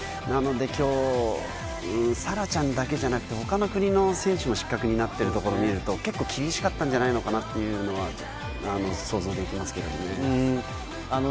今日、沙羅ちゃんだけじゃなく他の国の選手も失格になっているところを見ると結構、厳しかったんじゃないのかなって想像できますけどね。